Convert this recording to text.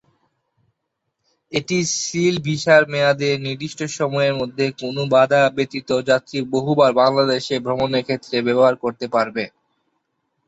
এই সীল ভিসার মেয়াদে নির্দিষ্ট সময়ের মধ্যে কোন বাধা ব্যতীত যাত্রী বহুবার বাংলাদেশে ভ্রমণের ক্ষেত্রে ব্যবহার করতে পারবে।